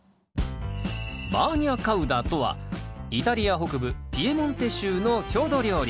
バーニャカウダとはイタリア北部ピエモンテ州の郷土料理。